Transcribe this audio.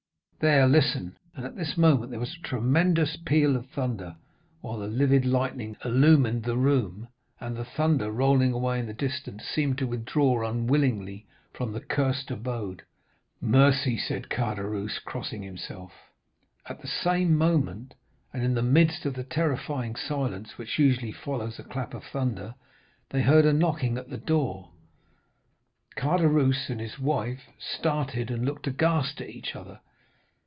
There—listen!' And at this moment there was a tremendous peal of thunder, while the livid lightning illumined the room, and the thunder, rolling away in the distance, seemed to withdraw unwillingly from the cursed abode. 'Mercy!' said Caderousse, crossing himself. 20312m "At the same moment, and in the midst of the terrifying silence which usually follows a clap of thunder, they heard a knocking at the door. Caderousse and his wife started and looked aghast at each other.